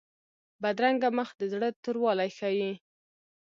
بدرنګه مخ د زړه توروالی ښيي